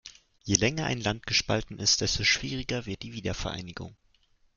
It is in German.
Je länger ein Land gespalten ist, desto schwieriger wird die Wiedervereinigung.